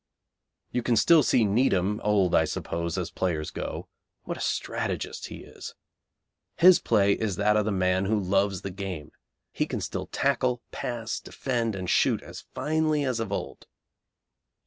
You can still see Needham, old, I suppose, as players go. What a strategist he is. His play is that of the man who loves the game; he can still tackle, pass, defend, and shoot as finely as of old.